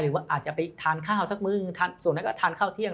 ว่าอาจจะไปทานข้าวสักมือส่วนนั้นก็ทานข้าวเที่ยง